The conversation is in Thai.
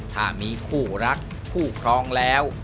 ถ้ามีคู่รักคู่ครองแล้ว